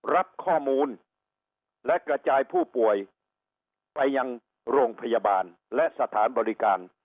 รับข้อมูลและกระจายผู้ป่วยไปยังโรงพยาบาลและสถานบริการ